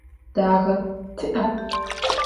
Dağe ti'a?